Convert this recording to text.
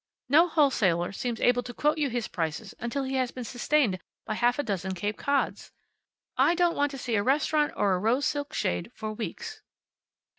No wholesaler seems able to quote you his prices until he has been sustained by half a dozen Cape Cods. I don't want to see a restaurant or a rose silk shade for weeks."